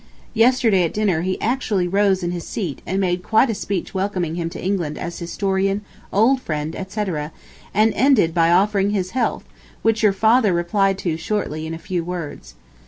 Yesterday at dinner he actually rose in his seat and made quite a speech welcoming him to England as historian, old friend, etc., and ended by offering his health, which your father replied to shortly, in a few words.